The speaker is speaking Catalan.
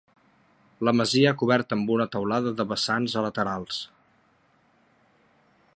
La masia coberta amb una teulada de vessants a laterals.